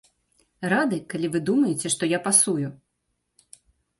Рады, калі вы думаеце, што я пасую!